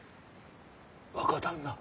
若旦那。